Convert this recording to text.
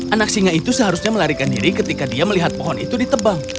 anak singa itu seharusnya melarikan diri ketika dia melihat pohon itu ditebang